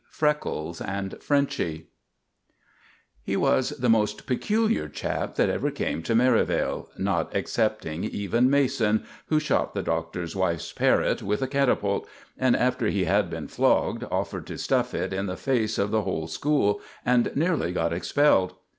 "Freckles" and "Frenchy" He was the most peculiar chap that ever came to Merivale, not excepting even Mason, who shot the Doctor's wife's parrot with a catapult, and, after he had been flogged, offered to stuff it in the face of the whole school, and nearly got expelled.